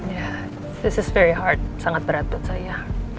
ini sangat berat sangat berat buat saya